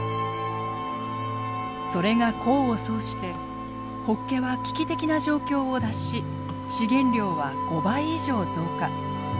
それが功を奏してホッケは危機的な状況を脱し資源量は５倍以上増加。